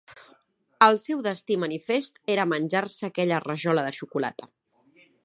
El seu destí manifest era menjar-se aquella rajola de xocolata.